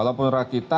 tapi luar biasa